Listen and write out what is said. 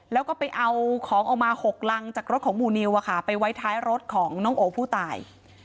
แล้วก็ไปเอาของออกมา๖รังจากรถของหมู่นิวไปไว้ท้ายรถของน้องโอผู้ตาย